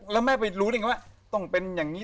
แล้วแม่ไปรู้ได้ไงว่าต้องเป็นอย่างนี้